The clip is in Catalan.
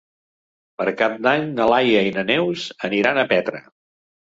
Per Cap d'Any na Laia i na Neus aniran a Petra.